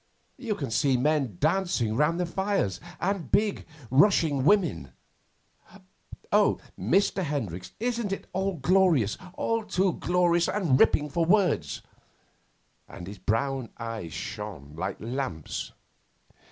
You can see men dancing round the fires, and big, rushing women. Oh, Mr. Hendricks, isn't it all glorious all too glorious and ripping for words!' And his brown eyes shone like lamps.